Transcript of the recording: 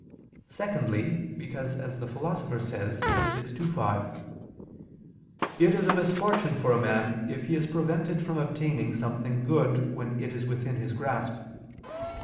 Secondly, because, as the Philosopher says (Phys. ii, 5), "it is a misfortune for a man if he is prevented from obtaining something good when it is within his grasp."